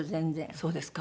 そうですか？